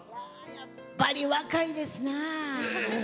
やっぱり若いですな。